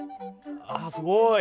あっすごい。